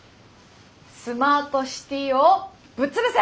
スマートシティをぶっ潰せ！